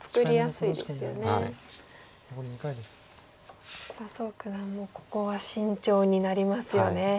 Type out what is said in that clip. さあ蘇九段もここは慎重になりますよね。